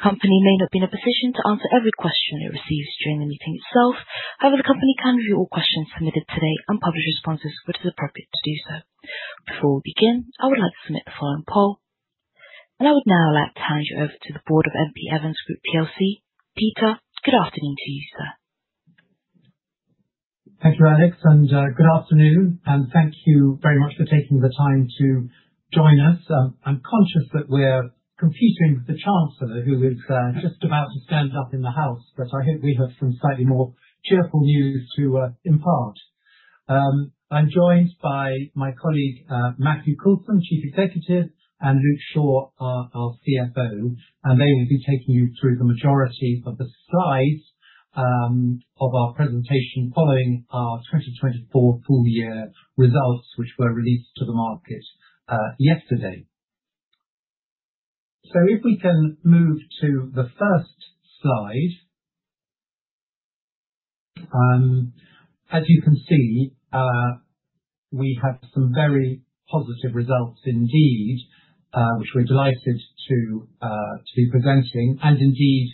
The company may not be in a position to answer every question it receives during the meeting itself. However, the company can review all questions submitted today and publish responses where it is appropriate to do so. Before we begin, I would like to submit the following poll. I would now like to hand you over to the Board of M.P. Evans Group PLC. Peter, good afternoon to you, sir. Thank you, Alex, and good afternoon, and thank you very much for taking the time to join us. I'm conscious that we're competing with the Chancellor, who is just about to stand up in the House, but I hope we have some slightly more cheerful news to impart. I'm joined by my colleague, Matthew Coulson, Chief Executive, and Luke Shaw, our, our CFO, and they will be taking you through the majority of the slides of our presentation following our 2024 full year results, which were released to the market yesterday. So if we can move to the first slide. As you can see, we have some very positive results indeed, which we're delighted to be presenting, and indeed,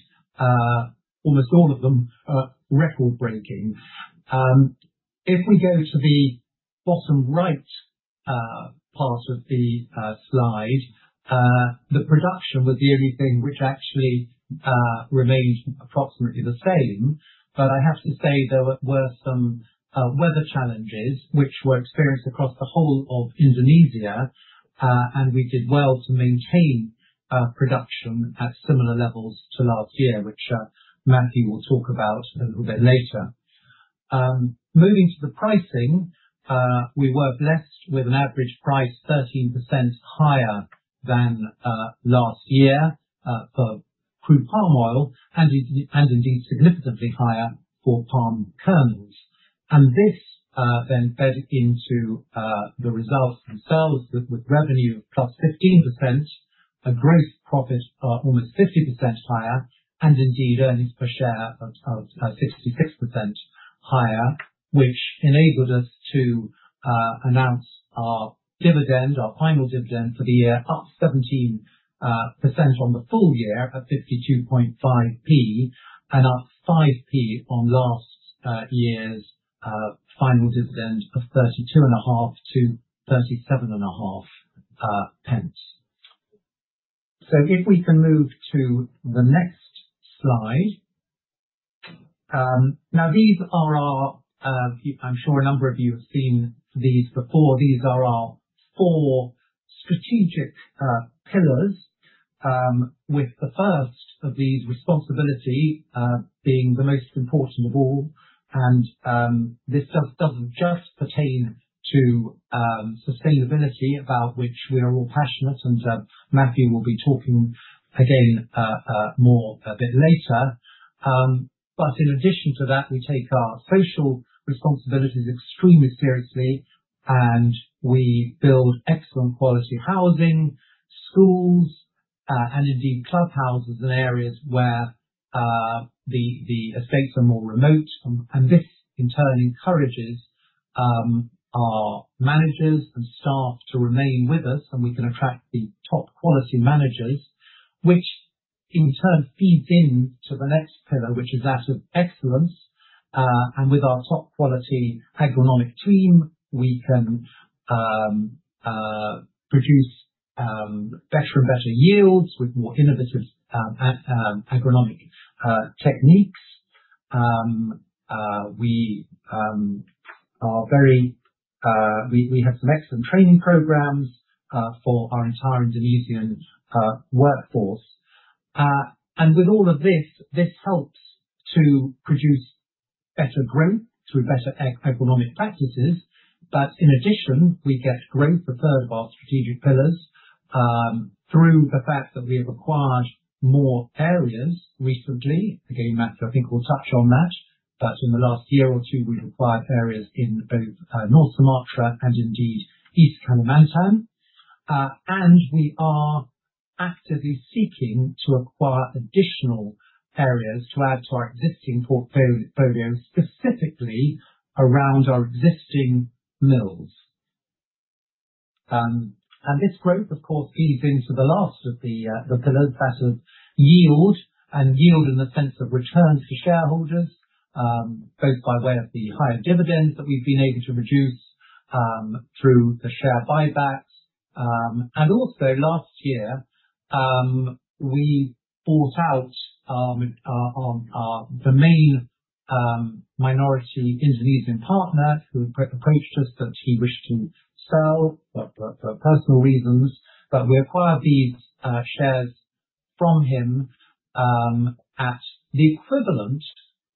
almost all of them are record-breaking. If we go to the bottom right part of the slide, the production was the only thing which actually remained approximately the same, but I have to say, there were some weather challenges which were experienced across the whole of Indonesia, and we did well to maintain production at similar levels to last year, which Matthew will talk about a little bit later. Moving to the pricing, we were blessed with an average price 13% higher than last year for crude palm oil, and indeed significantly higher for palm kernels. And this, then fed into, the results themselves, with, with revenue plus 15%, a gross profit of almost 50% higher, and indeed, earnings per share of, sixty-six percent higher, which enabled us to, announce our dividend, our final dividend for the year, up 17%, on the full year, at 52.5p, and up 5p on last, year's, final dividend of 32.5-37.5p. So if we can move to the next slide. Now, these are our, I'm sure a number of you have seen these before. These are our four strategic, pillars, with the first of these, responsibility, being the most important of all. This doesn't just pertain to sustainability, about which we are all passionate, and Matthew will be talking again, more a bit later. But in addition to that, we take our social responsibilities extremely seriously, and we build excellent quality housing, schools, and indeed, clubhouses in areas where the estates are more remote. And this, in turn, encourages our managers and staff to remain with us, and we can attract the top quality managers, which in turn feeds into the next pillar, which is that of excellence. And with our top quality agronomic team, we can produce better and better yields with more innovative agronomic techniques. We are very, we have some excellent training programs for our entire Indonesian workforce. With all of this, this helps to produce better growth through better agronomic practices. But in addition, we get growth, the third of our strategic pillars, through the fact that we have acquired more areas recently. Again, Matthew, I think, will touch on that. But in the last year or two, we've acquired areas in both North Sumatra and indeed East Kalimantan. And we are actively seeking to acquire additional areas to add to our existing portfolio, specifically around our existing mills. And this growth, of course, feeds into the last of the pillars, that of yield, and yield in the sense of return to shareholders, both by way of the higher dividends that we've been able to produce, through the share buybacks. And also last year, we bought out the main minority Indonesian partner, who approached us, that he wished to sell for personal reasons. But we acquired these shares from him at the equivalent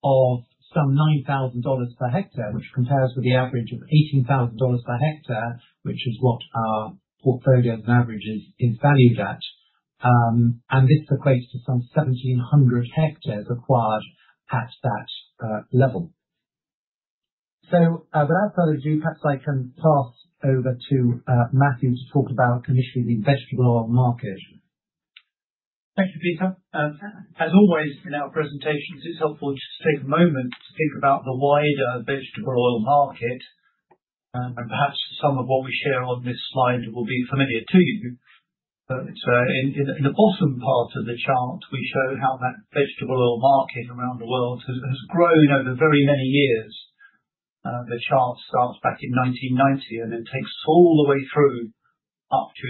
of some $9,000 per hectare, which compares with the average of $18,000 per hectare, which is what our portfolio as an average is valued at. And this equates to some 1,700 hectares acquired at that level. So, without further ado, perhaps I can pass over to Matthew to talk about initially the vegetable oil market. Thank you, Peter. As always, in our presentations, it's helpful just to take a moment to think about the wider vegetable oil market. And perhaps some of what we share on this slide will be familiar to you, but it's in the bottom part of the chart, we show how that vegetable oil market around the world has grown over very many years. The chart starts back in 1990, and it takes all the way through, up to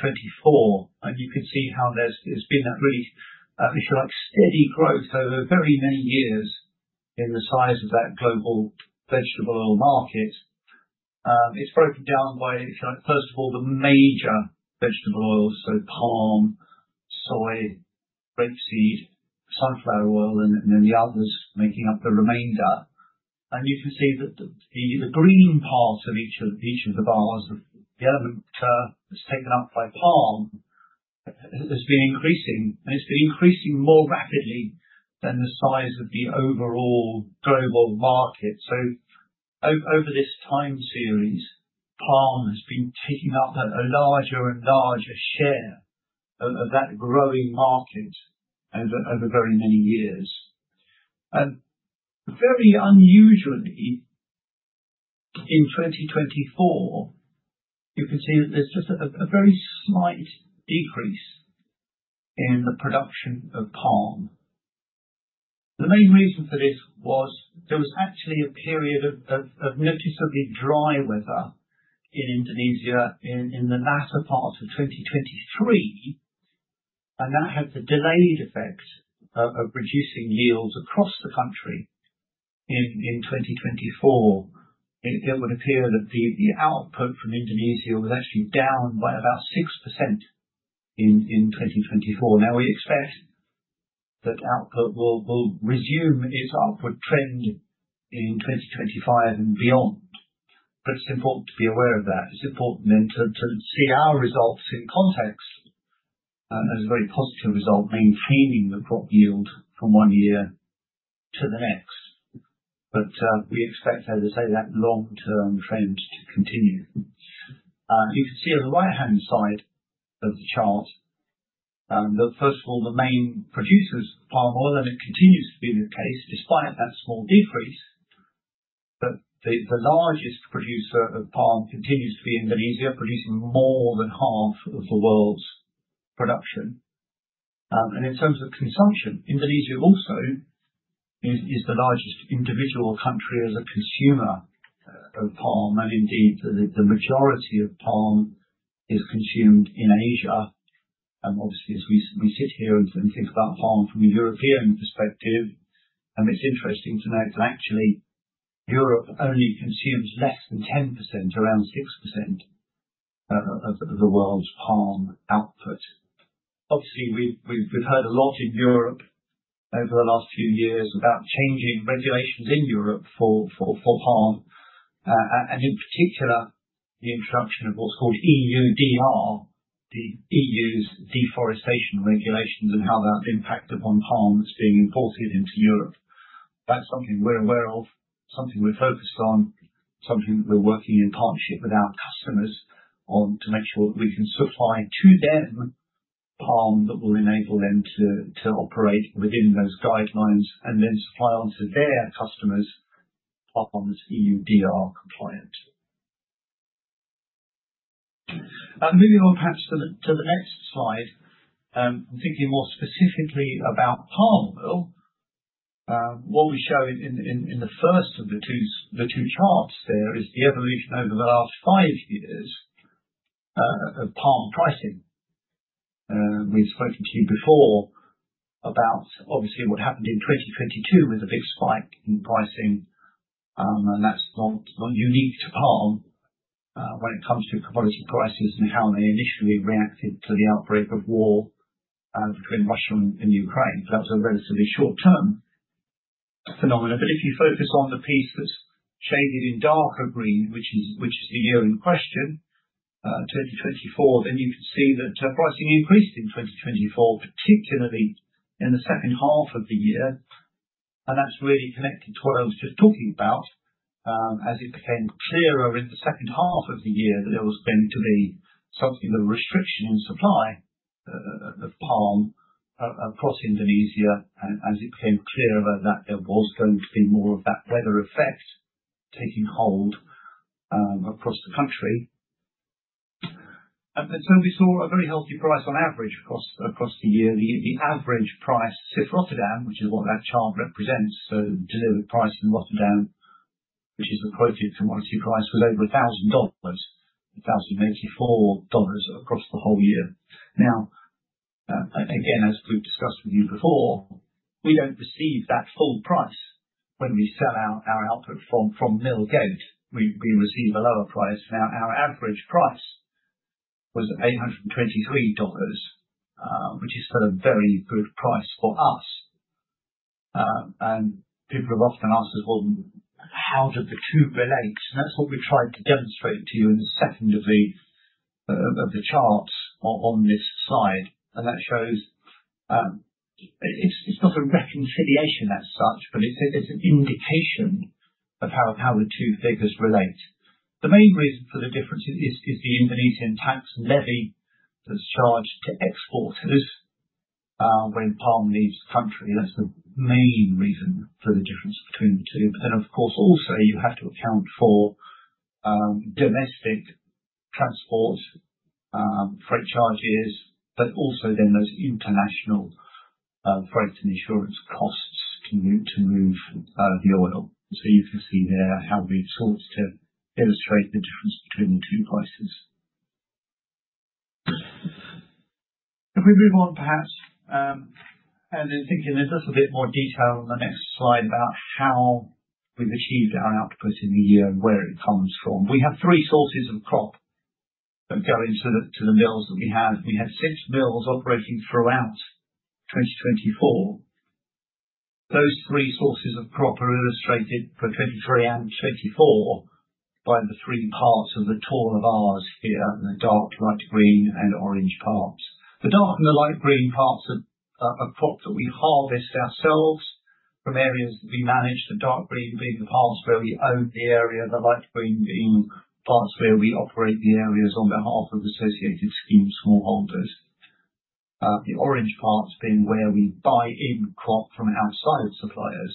2024, and you can see how there's been at least, if you like, steady growth over very many years in the size of that global vegetable oil market. It's broken down by, first of all, the major vegetable oils, so palm, soy, rapeseed, sunflower oil, and then the others making up the remainder. And you can see that the green part of each of the bars, the element that's taken up by palm, has been increasing, and it's been increasing more rapidly than the size of the overall global market. So over this time series, palm has been taking up a larger and larger share of that growing market over very many years. And very unusually, in 2024, you can see that there's just a very slight decrease in the production of palm. The main reason for this was, there was actually a period of noticeably dry weather in Indonesia, in the latter part of 2023, and that had the delayed effect of reducing yields across the country in 2024. It would appear that the output from Indonesia was actually down by about 6% in 2024. Now, we expect that output will resume its upward trend in 2025 and beyond, but it's important to be aware of that. It's important then to see our results in context as a very positive result, maintaining the crop yield from one year to the next. But we expect, as I say, that long-term trend to continue. You can see on the right-hand side of the chart that first of all, the main producers of palm oil, and it continues to be the case despite that small decrease, that the largest producer of palm continues to be Indonesia, producing more than half of the world's production. And in terms of consumption, Indonesia also is the largest individual country as a consumer of palm, and indeed, the majority of palm is consumed in Asia. Obviously, as we sit here and think about palm from a European perspective, it's interesting to note that actually, Europe only consumes less than 10%, around 6%, of the world's palm output. Obviously, we've heard a lot in Europe over the last few years about changing regulations in Europe for palm. And in particular, the introduction of what's called EUDR, the EU's deforestation regulations, and how that's impacted upon palms being imported into Europe. That's something we're aware of, something we're focused on, something that we're working in partnership with our customers on, to make sure that we can supply to them, palm that will enable them to operate within those guidelines, and then supply on to their customers, palms EUDR compliant. Moving on perhaps to the next slide, I'm thinking more specifically about palm oil. What we show in the first of the two charts there is the evolution over the last five years of palm pricing. We've spoken to you before about obviously what happened in 2022, with a big spike in pricing, and that's not unique to palm when it comes to commodity prices and how they initially reacted to the outbreak of war between Russia and Ukraine. So that's a relatively short-term phenomenon. But if you focus on the piece that's shaded in darker green, which is the year in question, 2024, then you can see that pricing increased in 2024, particularly in the second half of the year. And that's really connected to what I was just talking about, as it became clearer in the second half of the year that there was going to be something of a restriction in supply of palm across Indonesia, and as it became clearer that there was going to be more of that weather effect taking hold across the country. And so we saw a very healthy price on average across the year. The average price, CIF Rotterdam, which is what that chart represents, so delivery price in Rotterdam, which is the quoted commodity price, was over $1,000, $1,084 across the whole year. Now, again, as we've discussed with you before, we don't receive that full price when we sell our output from mill gate, we receive a lower price. Now, our average price was $823, which is still a very good price for us. And people have often asked us, "Well, how do the two relate?" And that's what we've tried to demonstrate to you in the second of the charts on this slide. And that shows, it's not a reconciliation as such, but it's an indication of how the two figures relate. The main reason for the difference is the Indonesian tax levy that's charged to exporters when palm leaves country. That's the main reason for the difference between the two. But then, of course, also, you have to account for domestic transport, freight charges, but also then those international freight and insurance costs to move the oil. So you can see there how we've sought to illustrate the difference between the two prices. If we move on, perhaps, and in thinking, there's just a bit more detail on the next slide about how we've achieved our output in the year, and where it comes from. We have three sources of crop that go into the to the mills that we have. We have six mills operating throughout 2024. Those three sources of crop are illustrated for 2023 and 2024, by the three parts of the tall bars here, in the dark, light green and orange parts. The dark and the light green parts are crops that we harvest ourselves, from areas that we manage, the dark green being the parts where we own the area, the light green being parts where we operate the areas on behalf of associated scheme smallholders. The orange parts being where we buy in crop from outside suppliers,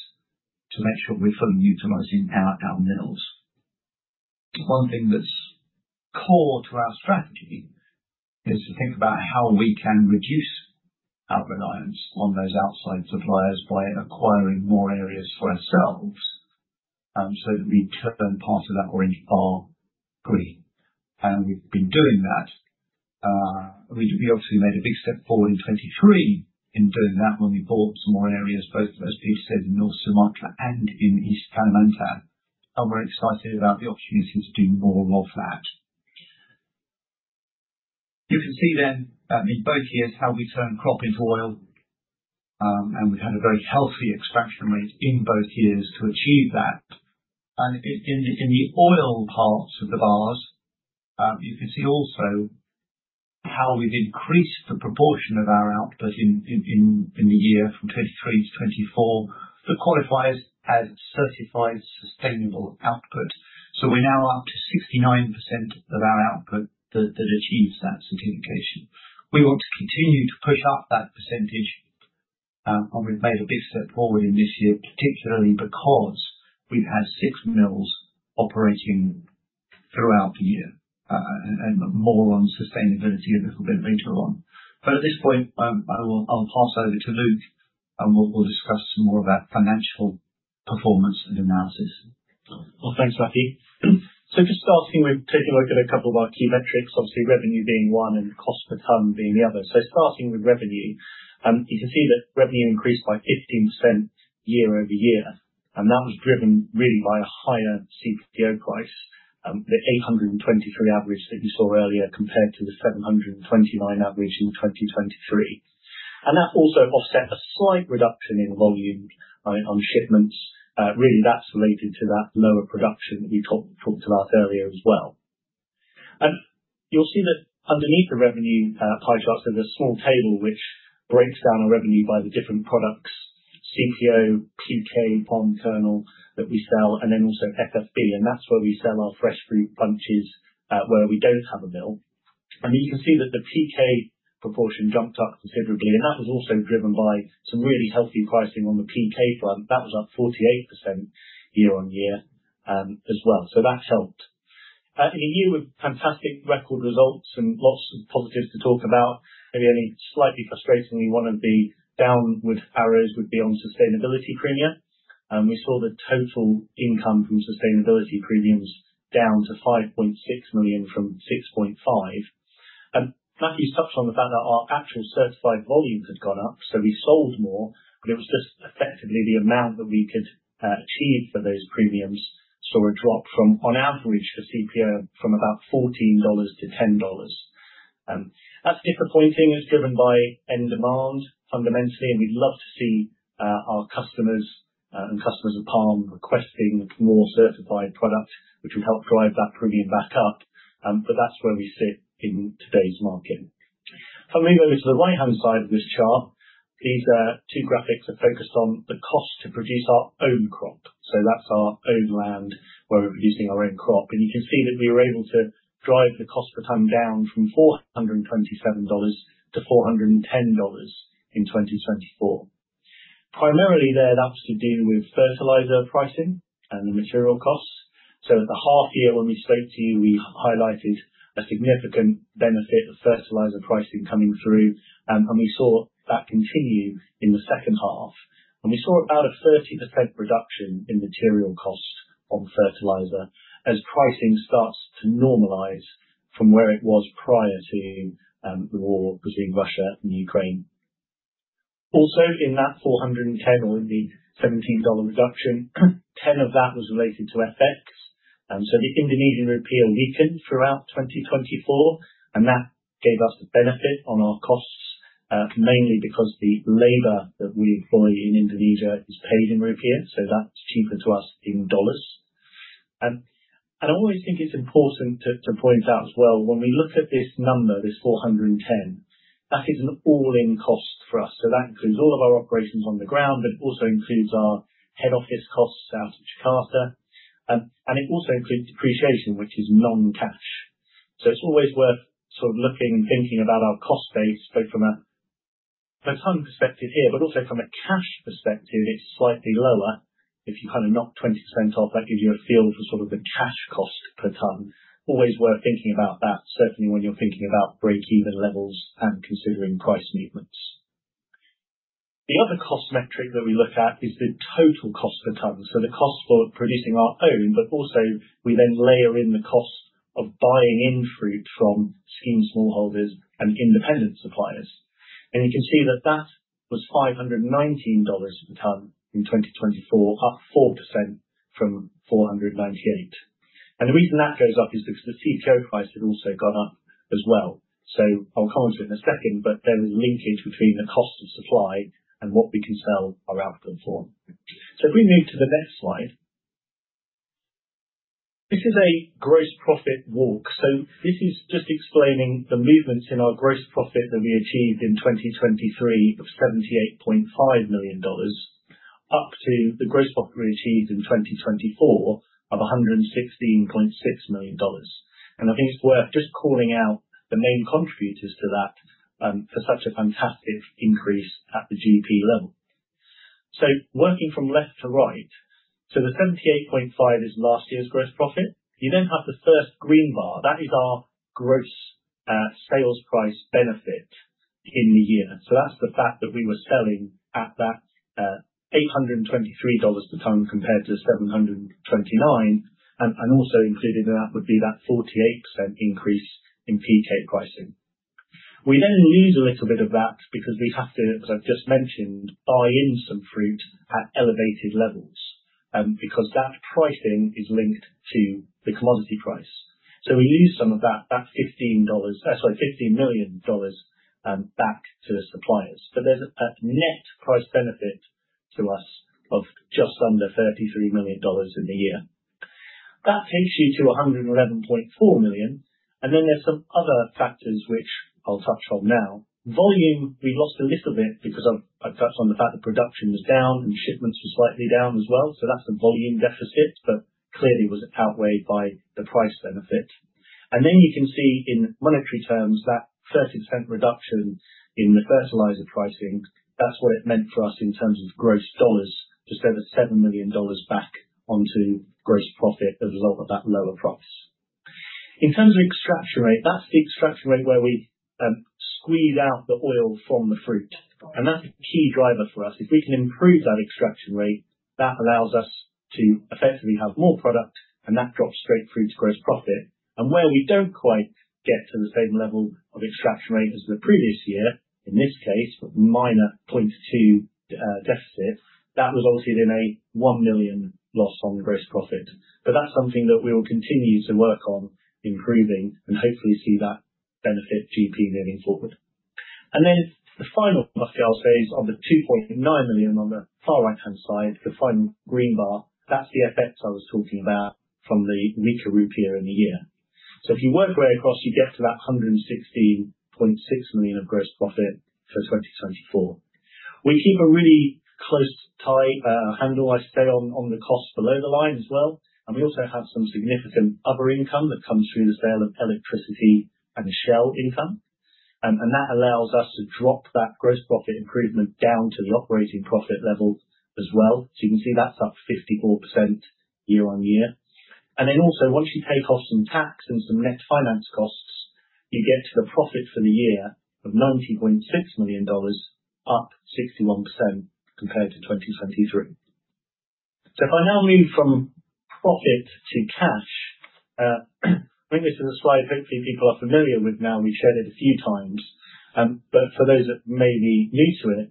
to make sure we're fully utilizing our mills. One thing that's core to our strategy is to think about how we can reduce our reliance on those outside suppliers by acquiring more areas for ourselves, so we turn part of that orange bar green. We've been doing that. We obviously made a big step forward in 2023 in doing that, when we bought some more areas, both, as Luke said, in North Sumatra and in East Kalimantan, and we're excited about the opportunity to do more of that. You can see then in both years how we turn crop into oil. And we've had a very healthy extraction rate in both years to achieve that. And in the oil parts of the bars, you can see also how we've increased the proportion of our output in the year from 2023 to 2024 to qualify as certified sustainable output. So we're now up to 69% of our output that achieves that certification. We want to continue to push up that percentage, and we've made a big step forward in this year, particularly because we've had six mills operating throughout the year, and more on sustainability a little bit later on. But at this point, I'll pass over to Luke, and we'll discuss some more of that financial performance and analysis. Well, thanks, Matthew. So just starting with taking a look at a couple of our key metrics, obviously revenue being one, and cost per ton being the other. So starting with revenue, you can see that revenue increased by 15% year-over-year, and that was driven really by a higher CPO price, the $823 average that you saw earlier, compared to the $729 average in 2023. And that also offset a slight reduction in volume, on shipments. Really, that's related to that lower production we talked about earlier as well. You'll see that underneath the revenue pie chart, there's a small table which breaks down our revenue by the different products, CPO, PK, palm kernel that we sell, and then also FFB, and that's where we sell our fresh fruit bunches, where we don't have a mill. And you can see that the PK proportion jumped up considerably, and that was also driven by some really healthy pricing on the PK front. That was up 48% year-on-year, as well. So that's helped. I think a year with fantastic record results and lots of positives to talk about, maybe only slightly frustratingly, one of the downward arrows would be on sustainability premia. We saw the total income from sustainability premiums down to 5.6 million from 6.5 million. Matthew touched on the fact that our actual certified volumes had gone up, so we sold more, but it was just effectively the amount that we could achieve for those premiums, saw a drop from, on average for CPO, from about $14 to $10. That's disappointing, it's driven by end demand, fundamentally, and we'd love to see our customers and customers of palm requesting more certified product, which would help drive that premium back up. But that's where we sit in today's market. If I move over to the right-hand side of this chart, these are two graphics that focus on the cost to produce our own crop. So that's our own land, where we're producing our own crop. You can see that we were able to drive the cost per ton down from $427 to $410 in 2024. Primarily, there, that's to do with fertilizer pricing and the material costs. So at the half year, when we spoke to you, we highlighted a significant benefit of fertilizer pricing coming through, and we saw that continue in the second half. And we saw about a 30% reduction in material costs on fertilizer, as pricing starts to normalize from where it was prior to the war between Russia and Ukraine. Also, in that $410, or in the $17 reduction, 10 of that was related to FX. So the Indonesian rupiah weakened throughout 2024, and that gave us the benefit on our costs, mainly because the labor that we employ in Indonesia is paid in rupiah, so that's cheaper to us in dollars. I always think it's important to point out as well, when we look at this number, this 410, that is an all-in cost for us. So that includes all of our operations on the ground, but it also includes our head office costs out of Jakarta. And it also includes depreciation, which is non-cash. So it's always worth sort of looking and thinking about our cost base, both from a ton perspective here, but also from a cash perspective, it's slightly lower. If you kind of knock 20% off, that gives you a feel for sort of the cash cost per ton. Always worth thinking about that, certainly when you're thinking about breakeven levels and considering price movements. The other cost metric that we look at is the total cost per ton, so the cost for producing our own, but also we then layer in the cost of buying in fruit from scheme smallholders and independent suppliers. You can see that that was $519 per ton in 2024, up 4% from $498. The reason that goes up is because the PK price had also gone up as well. I'll comment on it in a second, but there is a linkage between the cost of supply and what we can sell our output for. If we move to the next slide. This is a gross profit walk. So this is just explaining the movements in our gross profit that we achieved in 2023 of $78.5 million, up to the gross profit we achieved in 2024 of $116.6 million. I think it's worth just calling out the main contributors to that for such a fantastic increase at the GP level. So working from left to right, so the $78.5 is last year's gross profit. You then have the first green bar, that is our gross sales price benefit in the year. So that's the fact that we were selling at that $823 per ton, compared to $729, and also included in that would be that 48% increase in PK pricing. We then lose a little bit of that because we have to, as I've just mentioned, buy in some fruit at elevated levels, because that pricing is linked to the commodity price. So we lose some of that. That's $15-- sorry, $15 million, back to the suppliers. So there's a net price benefit to us of just under $33 million in the year. That takes you to $111.4 million, and then there's some other factors which I'll touch on now. Volume, we lost a little bit because of, I touched on the fact that production was down and shipments were slightly down as well, so that's a volume deficit, but clearly was outweighed by the price benefit. Then you can see, in monetary terms, that 30% reduction in the fertilizer pricing, that's what it meant for us in terms of gross dollars, just over $7 million back onto gross profit as a result of that lower price. In terms of extraction rate, that's the extraction rate where we squeeze out the oil from the fruit, and that's a key driver for us. If we can improve that extraction rate, that allows us to effectively have more product, and that drops straight through to gross profit. And where we don't quite get to the same level of extraction rate as the previous year, in this case, a minor 0.2 deficit, that resulted in a $1 million loss on gross profit. But that's something that we will continue to work on improving and hopefully see that benefit GP moving forward. Then the final piece, I'll say, is on the 2.9 million on the far right-hand side, the final green bar, that's the effect I was talking about from the weaker rupiah in the year. So if you work your way across, you get to that 116.6 million of gross profit for 2024. We keep a really close, tight handle, I'd say, on the costs below the line as well. And we also have some significant other income that comes through the sale of electricity and the shell income. And that allows us to drop that gross profit improvement down to the operating profit level as well. So you can see that's up 54% year-on-year. And then also, once you take off some tax and some net finance costs, you get to the profit for the year of $90.6 million, up 61% compared to 2023. So if I now move from profit to cash, I think this is a slide hopefully people are familiar with now; we've shared it a few times. But for those that may be new to it,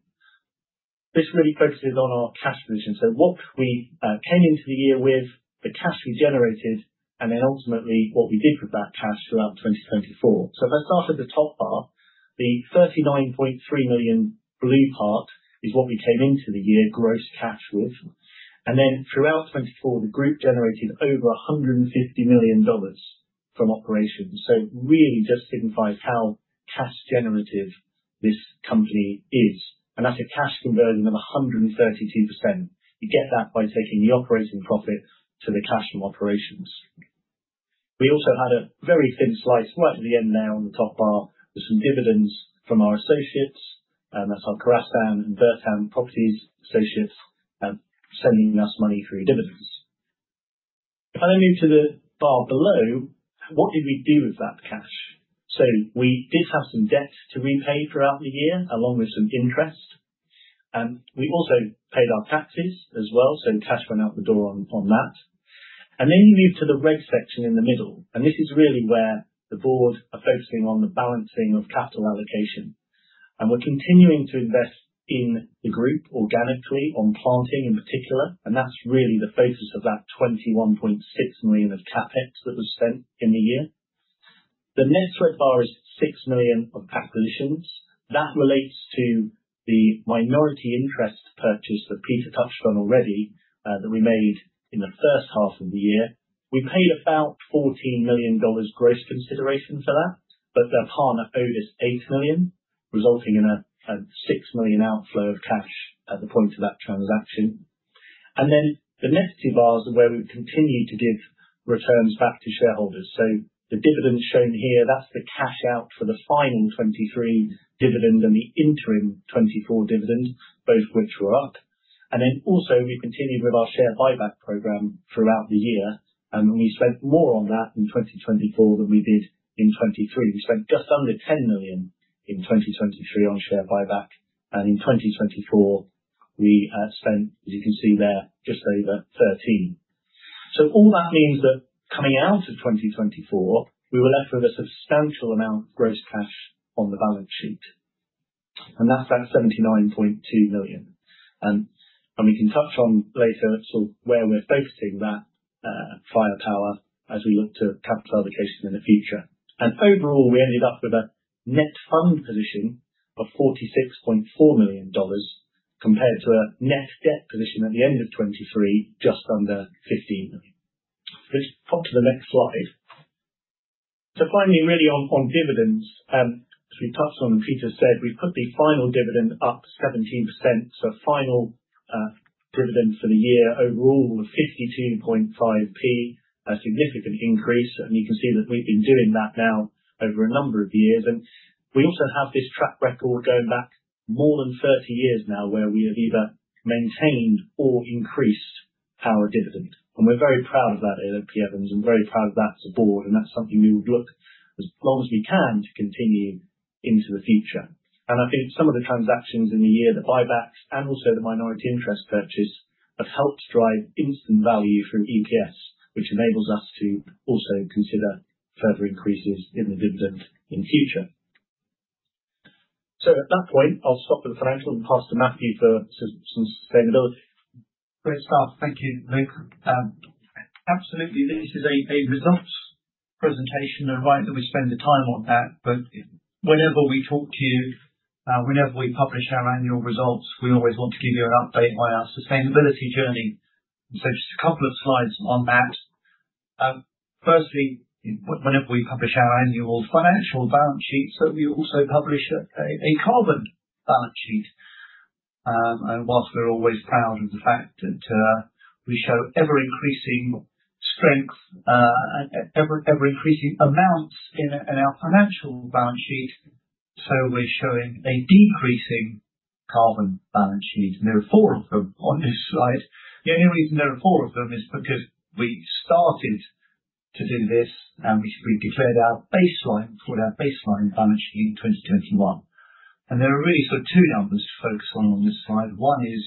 this really focuses on our cash position. So what we came into the year with, the cash we generated, and then ultimately what we did with that cash throughout 2024. So if I start at the top bar, the $39.3 million blue part is what we came into the year gross cash with. And then throughout 2024, the group generated over $150 million from operations. So it really just signifies how cash generative this company is. And that's a cash conversion of 132%. You get that by taking the operating profit to the cash from operations. We also had a very thin slice right at the end there on the top bar, with some dividends from our associates, that's our Kerasaan and Bertam Properties associates, sending us money through dividends. If I then move to the bar below, what did we do with that cash? So we did have some debt to repay throughout the year, along with some interest. We also paid our taxes as well, so cash went out the door on, on that. And then you move to the red section in the middle, and this is really where the board are focusing on the balancing of capital allocation. And we're continuing to invest in the group organically, on planting in particular, and that's really the focus of that 21.6 million of CapEx that was spent in the year. The next red bar is $6 million of acquisitions. That relates to the minority interest purchase that Peter touched on already, that we made in the first half of the year. We paid about $14 million gross consideration for that, but our partner owed us $8 million, resulting in a $6 million outflow of cash at the point of that transaction. And then the next two bars are where we continue to give returns back to shareholders. So the dividend shown here, that's the cash out for the final 2023 dividend and the interim 2024 dividend, both of which were up. We continued with our share buyback program throughout the year, and we spent more on that in 2024 than we did in 2023. We spent just under $10 million in 2023 on share buyback, and in 2024, we spent, as you can see there, just over $13 million. So all that means that coming out of 2024, we were left with a substantial amount of gross cash on the balance sheet, and that's $79.2 million. We can touch on later, sort of, where we're focusing that firepower as we look to capital allocation in the future. Overall, we ended up with a net fund position of $46.4 million, compared to a net debt position at the end of 2023, just under $15 million. Please pop to the next slide. So finally, really on, on dividends, as we touched on, Peter said we put the final dividend up 17%. So final dividend for the year overall was 52.5p, a significant increase, and you can see that we've been doing that now over a number of years. We also have this track record going back more than 30 years now, where we have either maintained or increased our dividend. We're very proud of that at M.P. Evans, and very proud of that as a board, and that's something we would look, as long as we can, to continue into the future. I think some of the transactions in the year, the buybacks and also the minority interest purchase, have helped drive instant value from EPS, which enables us to also consider further increases in the dividend in future. At that point, I'll stop with the financial and pass to Matthew for some sustainability. Great start. Thank you, Luke. Absolutely. This is a results presentation, and right that we spend the time on that, but whenever we talk to you, whenever we publish our annual results, we always want to give you an update on our sustainability journey. So just a couple of slides on that. Firstly, whenever we publish our annual financial balance sheet, so we also publish a Carbon Balance Sheet. And whilst we're always proud of the fact that we show ever-increasing strength, ever-increasing amounts in our financial balance sheet, so we're showing a decreasing carbon balance sheet, and there are four of them on this slide. The only reason there are four of them is because we started to do this, and we declared our baseline, called our baseline balance sheet in 2021. There are really sort of two numbers to focus on on this slide. One is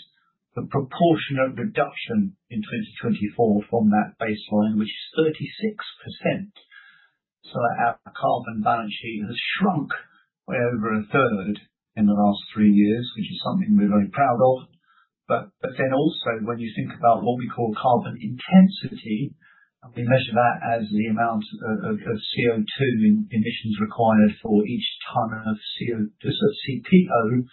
the proportionate reduction in 2024 from that baseline, which is 36%. So our carbon balance sheet has shrunk by over a third in the last three years, which is something we're very proud of. But then also, when you think about what we call carbon intensity, we measure that as the amount of CO2 emissions required for each ton of CPO,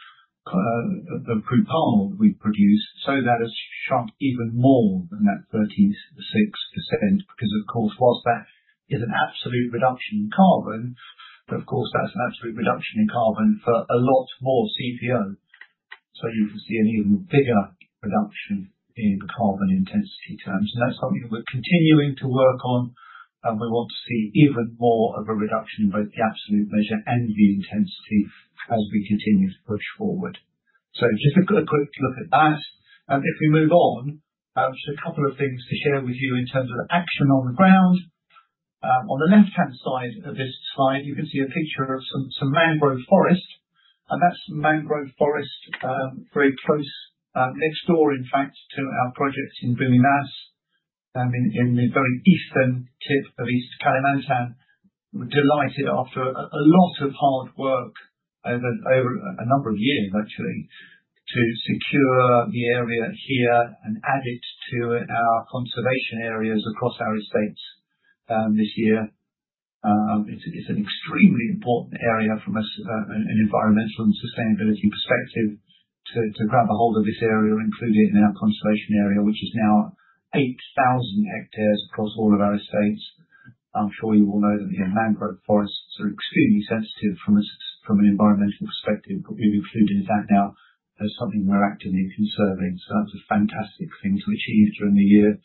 of crude palm we produce. So that has shrunk even more than that 36%, because of course, while that is an absolute reduction in carbon, but of course, that's an absolute reduction in carbon for a lot more CPO. So you can see an even bigger reduction in carbon intensity terms. And that's something that we're continuing to work on, and we want to see even more of a reduction in both the absolute measure and the intensity as we continue to push forward. So just a quick look at that. And if we move on, just a couple of things to share with you in terms of action on the ground. On the left-hand side of this slide, you can see a picture of some mangrove forest, and that's the mangrove forest, very close, next door, in fact, to our projects in Bumi Mas, in the very eastern tip of East Kalimantan. We're delighted, after a lot of hard work over a number of years actually, to secure the area here and add it to our conservation areas across our estates, this year. It's an extremely important area from an environmental and sustainability perspective, to grab a hold of this area and include it in our conservation area, which is now 8,000 hectares across all of our estates. I'm sure you all know that the mangrove forests are extremely sensitive from an environmental perspective, but we've included that now as something we're actively conserving. So that's a fantastic thing to achieve during the year.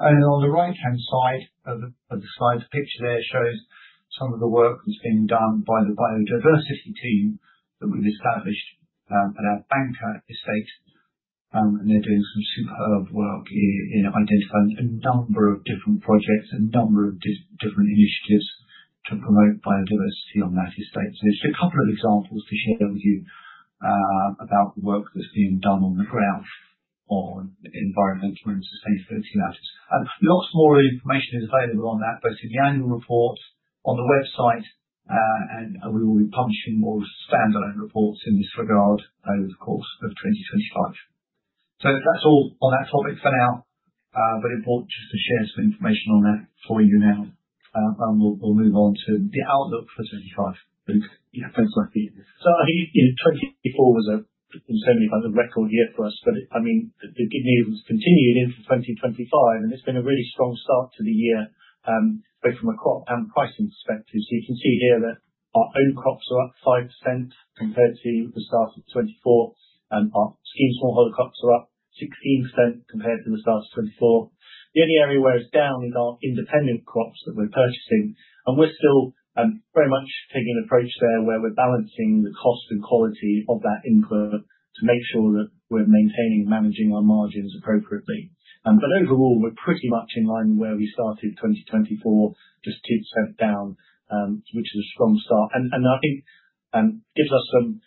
And on the right-hand side of the slide, the picture there shows some of the work that's being done by the biodiversity team that we've established at our Bangka estate. And they're doing some superb work in identifying a number of different projects, a number of different initiatives to promote biodiversity on that estate. So just a couple of examples to share with you, about the work that's being done on the ground on environmental and sustainability matters. Lots more information is available on that, both in the annual report, on the website, and, and we will be publishing more standalone reports in this regard over the course of 2025. So that's all on that topic for now. Very important just to share some information on that for you now, and we'll, we'll move on to the outlook for 2025. Luke? Yeah, thanks, Matthew. So I mean, you know, 2024 was a certainly was a record year for us, but, I mean, the beginning was continuing into 2025, and it's been a really strong start to the year... Both from a crop and pricing perspective. So you can see here that our own crops are up 5% compared to the start of 2024, and our scheme smallholder crops are up 16% compared to the start of 2024. The only area where it's down is our independent crops that we're purchasing, and we're still very much taking an approach there, where we're balancing the cost and quality of that input, to make sure that we're maintaining and managing our margins appropriately. But overall, we're pretty much in line with where we started 2024, just 2% down, which is a strong start. I think gives us some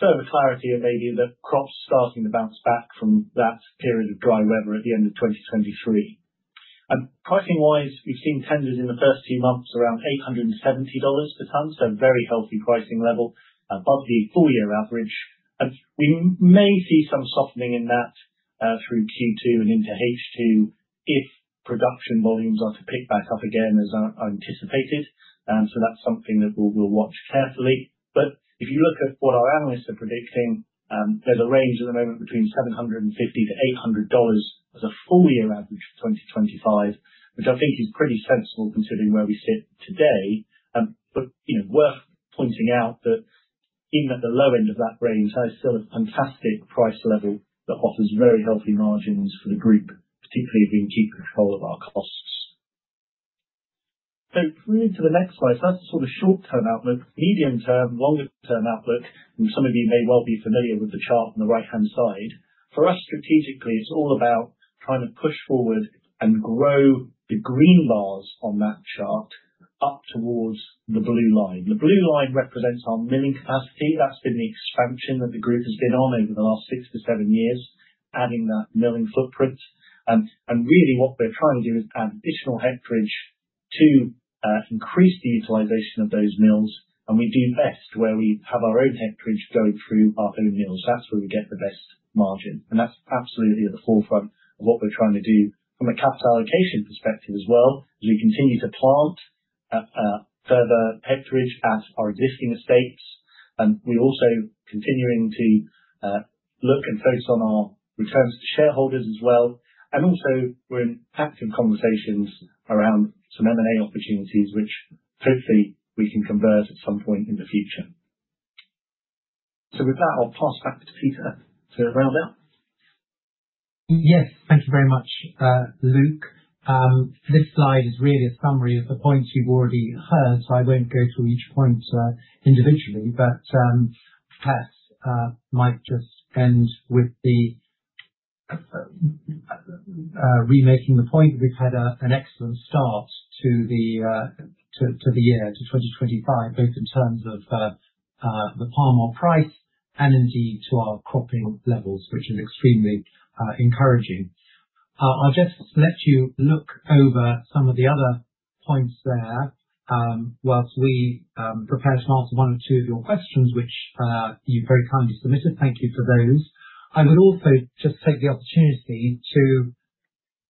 further clarity maybe, that crops are starting to bounce back from that period of dry weather at the end of 2023. Pricing-wise, we've seen tenders in the first two months around $870 per ton, so very healthy pricing level, above the full year average. We may see some softening in that through Q2 and into H2, if production volumes are to pick back up again, as I anticipated. So that's something that we'll watch carefully. But if you look at what our analysts are predicting, there's a range at the moment between $750-$800 as a full year average for 2025, which I think is pretty sensible, considering where we sit today. But, you know, worth pointing out that even at the low end of that range, that is still a fantastic price level, that offers very healthy margins for the group, particularly if we can keep control of our costs. So through to the next slide. So that's the sort of short term outlook, medium term, longer term outlook, and some of you may well be familiar with the chart on the right-hand side. For us, strategically, it's all about trying to push forward and grow the green bars on that chart, up towards the blue line. The blue line represents our milling capacity. That's been the expansion that the group has been on over the last 6-7 years, adding that milling footprint. Really, what we're trying to do is add additional hectareage to increase the utilization of those mills, and we do best where we have our own hectareage going through our own mills. That's where we get the best margin, and that's absolutely at the forefront of what we're trying to do from a capital allocation perspective as well, as we continue to plant further hectareage at our existing estates. We're also continuing to look and focus on our returns to shareholders as well. Also, we're in active conversations around some M&A opportunities, which hopefully we can convert at some point in the future. With that, I'll pass back to Peter to round out. Yes, thank you very much, Luke. This slide is really a summary of the points you've already heard, so I won't go through each point individually. But, perhaps, might just end with the remaking the point that we've had an excellent start to the year, to 2025, both in terms of the palm oil price and indeed, to our cropping levels, which is extremely encouraging. I'll just let you look over some of the other points there, whilst we prepare to answer one or two of your questions, which you very kindly submitted. Thank you for those. I would also just take the opportunity to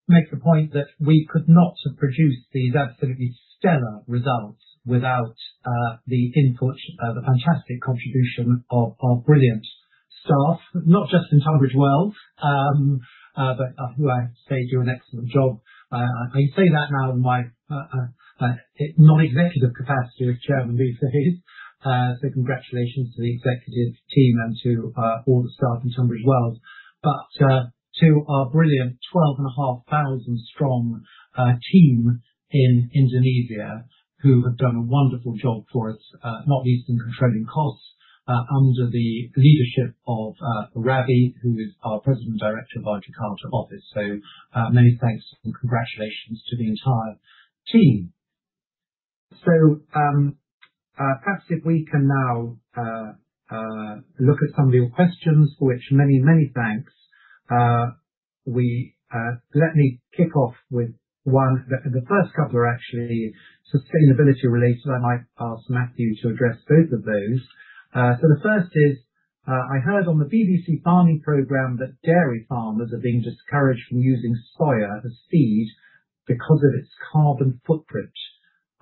make the point that we could not have produced these absolutely stellar results without the input, the fantastic contribution of our brilliant staff, not just in Tunbridge Wells, but who I have to say do an excellent job. I say that now in my non-executive capacity as Chairman, so congratulations to the executive team and to all the staff in Tunbridge Wells. But to our brilliant 12,500-strong team in Indonesia, who have done a wonderful job for us, not least in controlling costs, under the leadership of Ravi, who is our President Director of our Jakarta office. So many thanks and congratulations to the entire team. So, perhaps if we can now look at some of your questions, for which many, many thanks. Let me kick off with one. The first couple are actually sustainability related, so I might ask Matthew to address both of those. So the first is, I heard on the BBC farming program that dairy farmers are being discouraged from using soy as a feed because of its carbon footprint.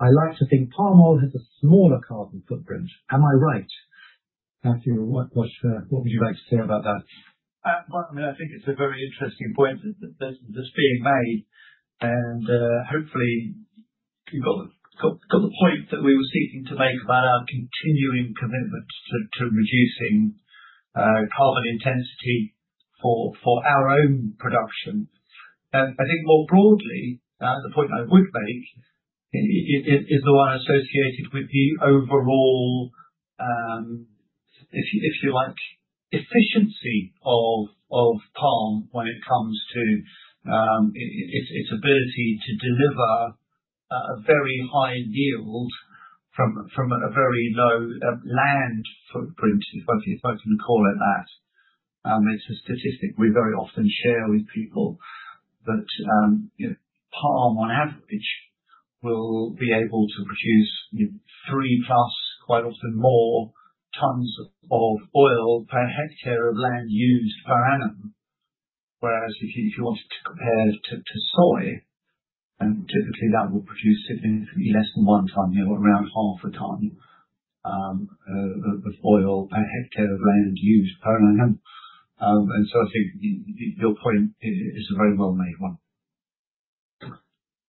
I like to think palm oil has a smaller carbon footprint. Am I right? Matthew, what would you like to say about that? Well, I mean, I think it's a very interesting point that's being made, and hopefully people got the point that we were seeking to make about our continuing commitment to reducing carbon intensity for our own production. I think more broadly, the point I would make is the one associated with the overall, if you like, efficiency of palm, when it comes to its ability to deliver a very high yield from a very low land footprint, if I can call it that. It's a statistic we very often share with people, that you know, palm, on average, will be able to produce 3+, quite often more, tons of oil per hectare of land used per annum. Whereas if you wanted to compare to soy, and typically that will produce less than 1 ton, you know, around half a ton, of oil per hectare of land used per annum. And so I think your point is a very well-made one.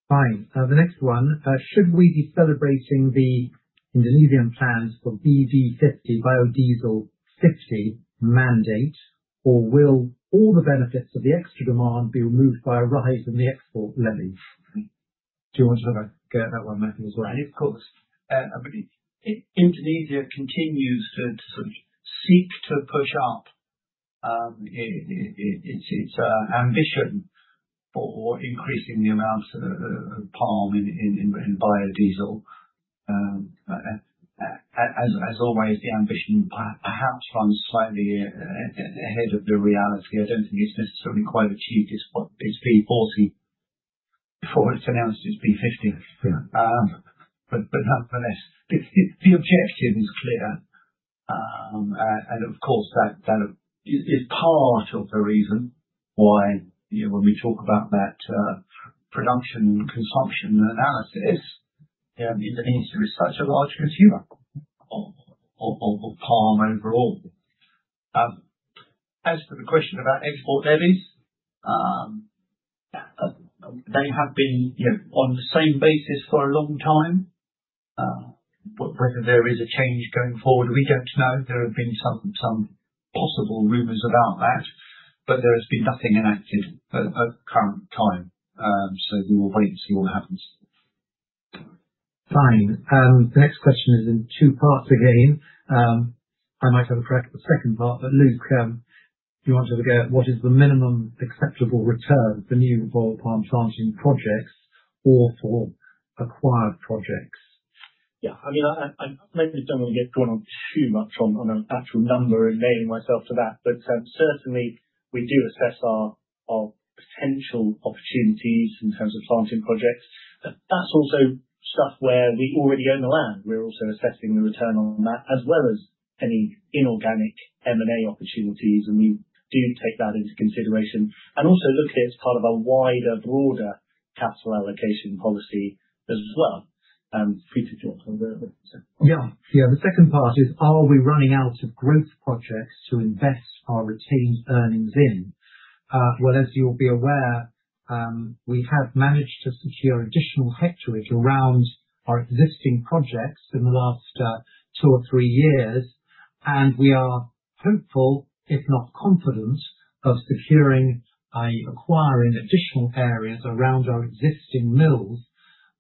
Fine. The next one: Should we be celebrating the Indonesian plans for B50, biodiesel 50 mandate, or will all the benefits of the extra demand be removed by a rise in the export levies? Do you want to have a go at that one, Matthew, as well? Yeah, of course. I believe Indonesia continues to sort of seek to push up its ambition for increasing the amount of palm in biodiesel. As always, the ambition perhaps runs slightly ahead of the reality. I don't think it's necessarily quite achieved its B40 before it's announced its B50. Yeah. But nonetheless, the objective is clear. And of course, that is part of the reason why, you know, when we talk about that, production and consumption analysis, yeah, Indonesia is such a large consumer of palm overall. As for the question about export levies, they have been, you know, on the same basis for a long time. But whether there is a change going forward, we don't know. There have been some possible rumors about that, but there has been nothing enacted at current time. So we will wait and see what happens. Fine. The next question is in two parts again. I might have a quick second part, but Luke, if you want to have a go at: What is the minimum acceptable return for new oil palm planting projects or for acquired projects? Yeah. I mean, I maybe don't want to get going on too much on an actual number and laying myself to that, but certainly, we do assess our potential opportunities in terms of planting projects. But that's also stuff where we already own the land. We're also assessing the return on that, as well as any inorganic M&A opportunities, and we do take that into consideration, and also look at it as part of a wider, broader capital allocation policy as well. Free to jump on there. Yeah. Yeah. The second part is, are we running out of growth projects to invest our retained earnings in? Well, as you'll be aware, we have managed to secure additional hectare around our existing projects in the last, 2 or 3 years, and we are hopeful, if not confident, of securing by acquiring additional areas around our existing mills.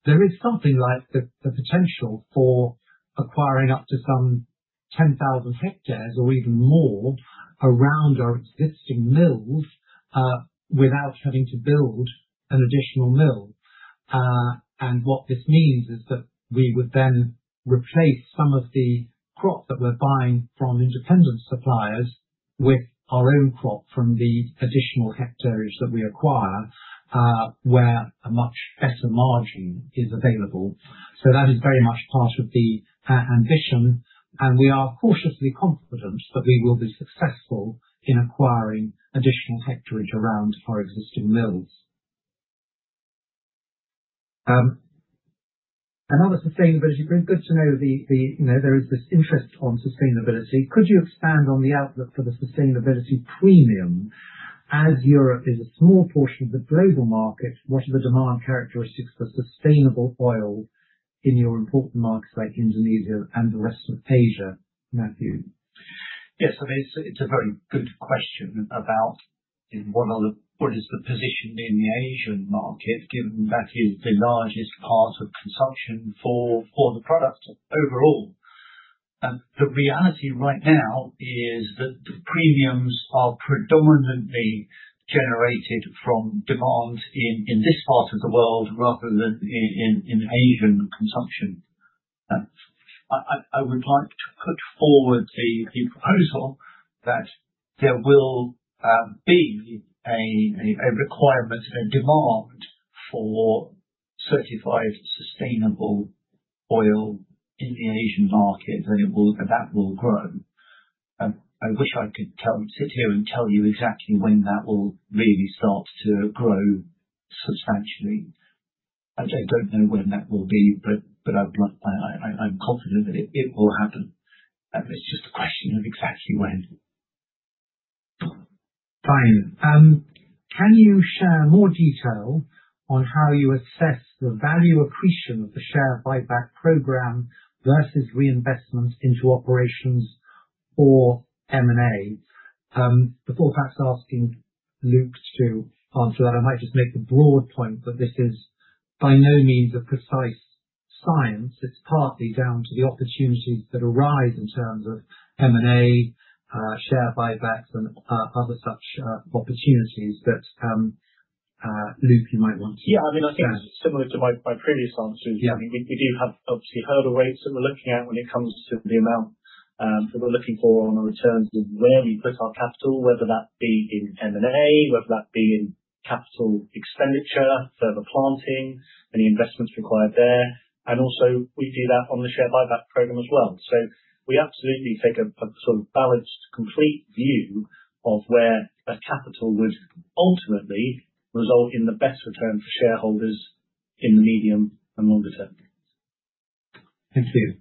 There is something like the potential for acquiring up to some 10,000 hectares or even more, around our existing mills, without having to build an additional mill. And what this means is that we would then replace some of the crop that we're buying from independent suppliers, with our own crop from the additional hectares that we acquire, where a much better margin is available. So that is very much part of our ambition, and we are cautiously confident that we will be successful in acquiring additional hectare around our existing mills. And on the sustainability, very good to know, you know, there is this interest on sustainability. Could you expand on the outlook for the sustainability premium, as Europe is a small portion of the global market? What are the demand characteristics for sustainable oil in your important markets like Indonesia and the rest of Asia? Matthew. Yes. I mean, it's a very good question about, you know, what is the position in the Asian market, given that is the largest part of consumption for the product overall. The reality right now is that the premiums are predominantly generated from demand in this part of the world, rather than in Asian consumption. I would like to put forward a proposal that there will be a requirement and demand for certified sustainable oil in the Asian market, and it will, and that will grow. I wish I could sit here and tell you exactly when that will really start to grow substantially. I don't know when that will be, but I'd like, I'm confident that it will happen. It's just a question of exactly when. Fine. Can you share more detail on how you assess the value accretion of the share buyback program versus reinvestment into operations or M&A? Before perhaps asking Luke to answer that, I might just make the broad point that this is by no means a precise science. It's partly down to the opportunities that arise in terms of M&A, share buybacks and other such opportunities that, Luke, you might want to- Yeah, I mean, I think similar to my previous answers- Yeah. I mean, we do have obviously hurdle rates that we're looking at when it comes to the amount that we're looking for on the returns of where we put our capital, whether that be in M&A, whether that be in capital expenditure, further planting, any investments required there, and also we do that on the share buyback program as well. So we absolutely take a sort of balanced, complete view of where a capital would ultimately result in the best return for shareholders in the medium and longer term. Thank you.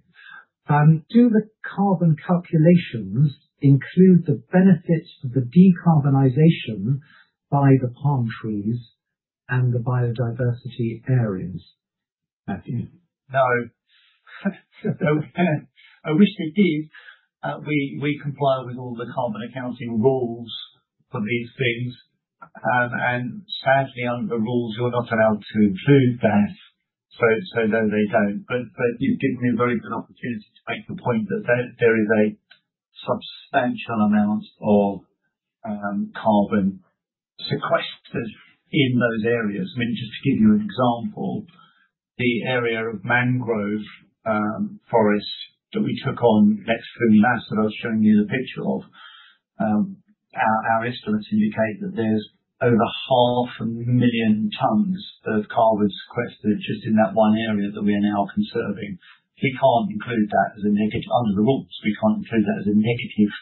Do the carbon calculations include the benefits of the decarbonization by the palm trees and the biodiversity areas, Matthew? No. I wish it did. We comply with all the carbon accounting rules for these things. And sadly, under the rules, you're not allowed to include that. So no, they don't. But you've given me a very good opportunity to make the point that there is a substantial amount of carbon sequestered in those areas. I mean, just to give you an example, the area of mangrove forest that we took on next to Bumi Mas, that I was showing you the picture of, our estimates indicate that there's over 500,000 tons of carbon sequestered just in that one area that we are now conserving. We can't include that as a negative. Under the rules, we can't include that as a negative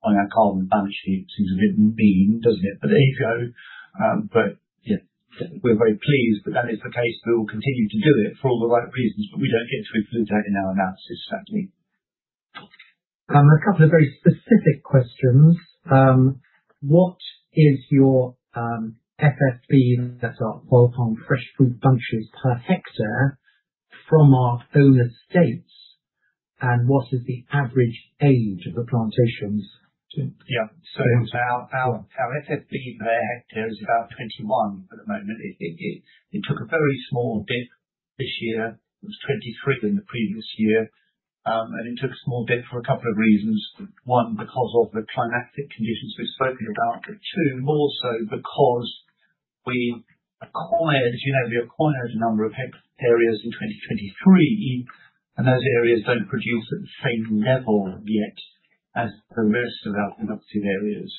on our carbon balance sheet. Seems a bit mean, doesn't it? But there you go. But, yeah, we're very pleased that that is the case, and we'll continue to do it for all the right reasons, but we don't get to include that in our analysis, sadly. A couple of very specific questions. What is your FFB that are oil palm fresh fruit bunches per hectare from our own estates, and what is the average age of the plantations? Yeah. So our FFB per hectare is about 21 at the moment. It took a very small dip this year. It was 23 in the previous year. And it took a small dip for a couple of reasons. One, because of the climatic conditions we've spoken about. But two, more so because we acquired, as you know, we acquired a number of hectare areas in 2023, and those areas don't produce at the same level yet as the rest of our productive areas.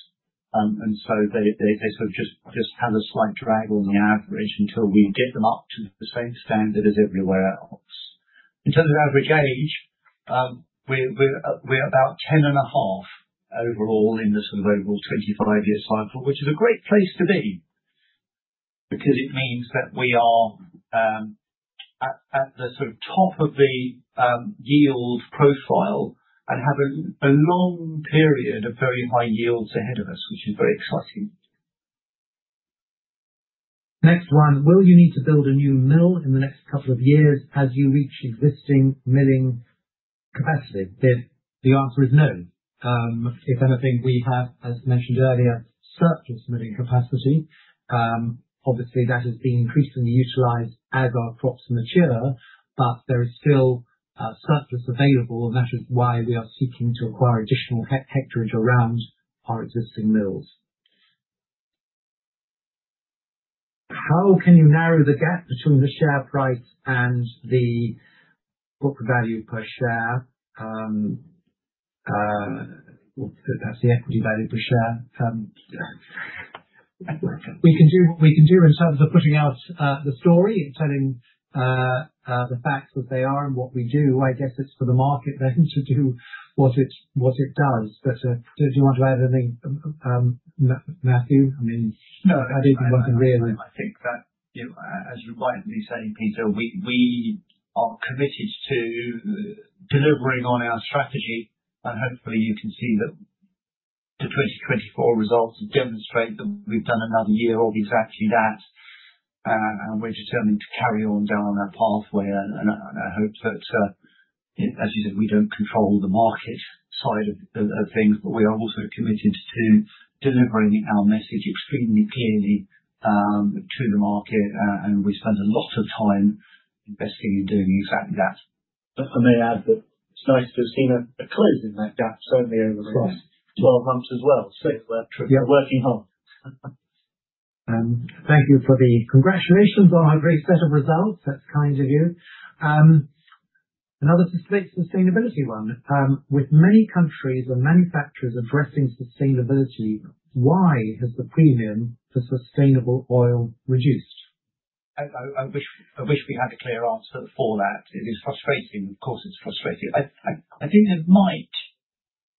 And so they sort of just have a slight drag on the average until we get them up to the same standard as everywhere else. In terms of average age, we're about 10.5 overall, in the sort of overall 25-year cycle, which is a great place to be, because it means that we are at the sort of top of the yield profile and have a long period of very high yields ahead of us, which is very exciting. Next one: Will you need to build a new mill in the next couple of years as you reach existing milling capacity? The answer is no. If anything, we have, as mentioned earlier, surplus milling capacity. Obviously, that is being increasingly utilized as our crops mature, but there is still surplus available, and that is why we are seeking to acquire additional hectarage around our existing mills. How can you narrow the gap between the share price and the book value per share, perhaps the equity value per share? Yeah. We can do in terms of putting out the story and telling the facts as they are and what we do. I guess it's for the market then to do what it does. But did you want to add anything, Matthew? No. I think that, you know, as you rightly say, Peter, we, we are committed to delivering on our strategy, and hopefully you can see that the 2024 results demonstrate that we've done another year of exactly that. And we're determined to carry on down that pathway, and, and I hope that, as you said, we don't control the market side of, of, of things, but we are also committed to delivering our message extremely clearly, to the market, and we spend a lot of time investing in doing exactly that. But I may add that it's nice to have seen a close in that gap, certainly over the last 12 months as well. So we're working hard. Thank you for the congratulations on our great set of results. That's kind of you. Another sustainability one. With many countries and manufacturers addressing sustainability, why has the premium for sustainable oil reduced? I wish we had a clear answer for that. It is frustrating. Of course, it's frustrating. I think there might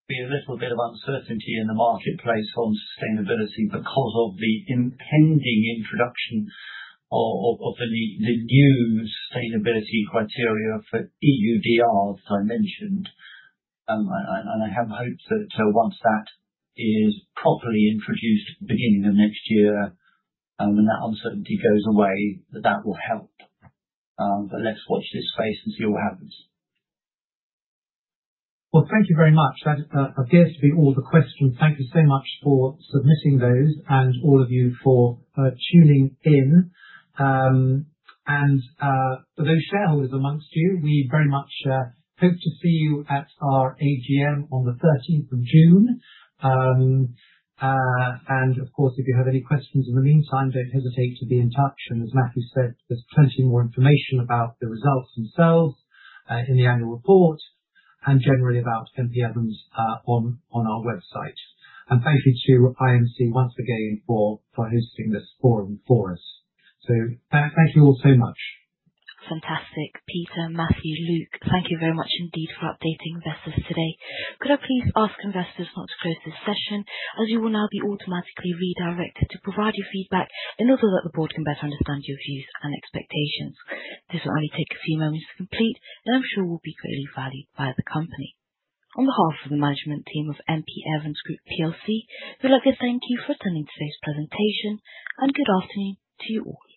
be a little bit of uncertainty in the marketplace on sustainability because of the impending introduction of the new sustainability criteria for EUDR, as I mentioned. And I have hope that once that is properly introduced at the beginning of next year, and that uncertainty goes away, that that will help. But let's watch this space and see what happens. Well, thank you very much. That appears to be all the questions. Thank you so much for submitting those and all of you for tuning in. For those shareholders among you, we very much hope to see you at our AGM on the thirteenth of June. Of course, if you have any questions in the meantime, don't hesitate to be in touch, and as Matthew said, there's plenty more information about the results themselves in the annual report, and generally about M.P. Evans on our website. Thank you to IMC once again for hosting this forum for us. Thank you all so much. Fantastic. Peter, Matthew, Luke, thank you very much indeed for updating investors today. Could I please ask investors now to close this session, as you will now be automatically redirected to provide your feedback, and also that the board can better understand your views and expectations. This will only take a few moments to complete, and I'm sure will be greatly valued by the company. On behalf of the management team of M.P. Evans Group PLC, we'd like to thank you for attending today's presentation, and good afternoon to you all.